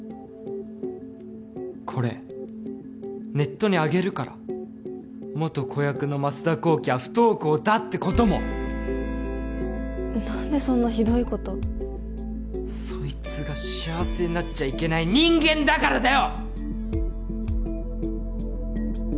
これネットに上げるから元子役の増田こうきは不登校だってことも何でそんなひどいことそいつが幸せになっちゃいけない人間だからだよ！